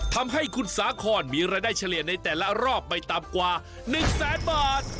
ทำให้คุณสาคอนมีรายได้เฉลี่ยในแต่ละรอบไม่ต่ำกว่า๑แสนบาท